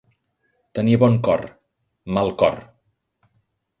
Tenir bon cor, mal cor.